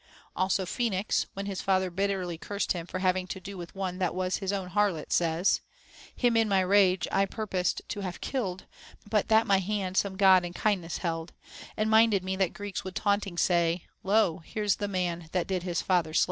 Also Phoenix, when his father bitterly cursed him for having to do with one that was his own harlot, says, Him in my rage I purposed to have killed, But that my hand some God in kindness held ; And minded me that Greeks would taunting say, Lo, here's the man that did his father slav.